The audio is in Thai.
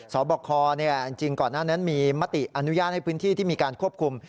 สอบคอจริงก่อนหน้านั้นมีมติอนุญาตให้พื้นที่ที่มีการควบคุม